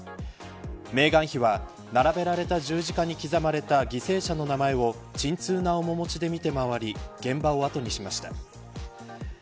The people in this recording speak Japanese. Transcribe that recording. メーガン妃は並べられた十字架に刻まれた犠牲者の名前を沈痛な面もちで見て回り現場を後にしました。